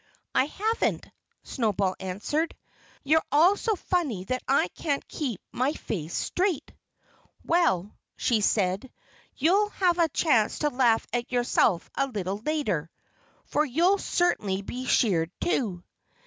"I haven't," Snowball answered. "You're all so funny that I can't keep my face straight." "Well," she said, "you'll have a chance to laugh at yourself a little later. For you'll certainly be sheared too."